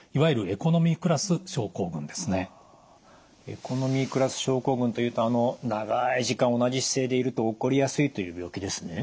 エコノミークラス症候群というとあの長い時間同じ姿勢でいると起こりやすいという病気ですね。